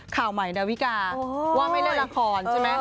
ข่าวใหม่ดาวิกาว่าไม่เล่นละครใช่ไหม